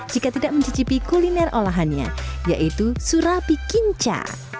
jika tidak mencicipi kuliner olahannya yaitu surapi kinca